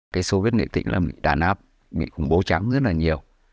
cái soviet nghệ tính là bị đàn áp bị khủng bố chẳng rất là nhiều